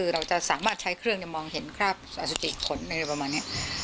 เราจะสามารถใช้เครื่องจะมองเห็นคราบสติขนอะไรแบบนี้